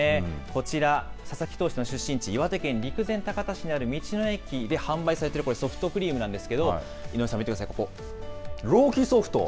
こちら、佐々木投手の出身地、岩手県陸前高田市にある道の駅で販売されているこれ、ソフトクリームなんですけど、井上さん、見てここ、ロウキソフト。